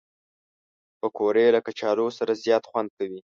پکورې له کچالو سره زیات خوند کوي